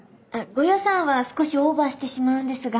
ご予算は少しオーバーしてしまうんですが。